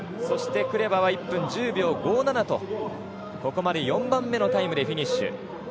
そして、クレバは１分１０秒５７とここまで４番目のタイムでフィニッシュ。